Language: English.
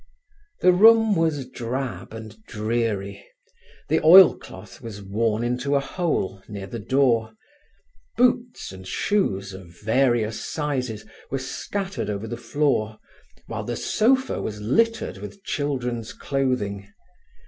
The room was drab and dreary. The oil cloth was worn into a hole near the door. Boots and shoes of various sizes were scattered over the floor, while the sofa was littered with children's clothing.